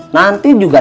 nanti juga dah